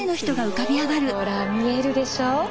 ほら見えるでしょ？